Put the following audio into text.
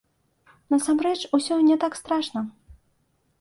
Насамрэч, усё не так страшна.